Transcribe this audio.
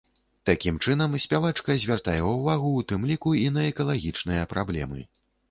Такім чынам спявачка звяртае ўвагу ў тым ліку і на экалагічныя праблемы.